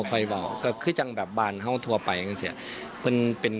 ค่อยก็คือจังแบบบานห้องทัวร์ไปอย่างนั้นสิ